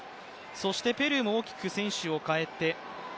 そしてペルーも大きく選手を代えてきます。